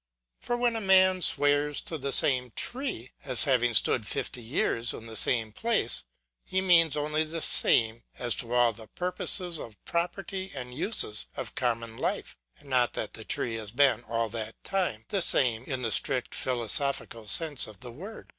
For when a man swears to the same tree, as having stood fifty years in the same place, he means only the same as to all the purposes of property and uses of common life, and not that the tree has been all that time the same in the strict philosophical sense of the word.